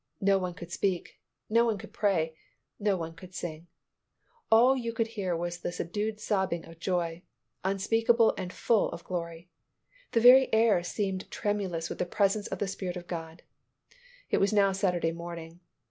No one could speak; no one could pray, no one could sing; all you could hear was the subdued sobbing of joy, unspeakable and full of glory. The very air seemed tremulous with the presence of the Spirit of God. It was now Saturday morning.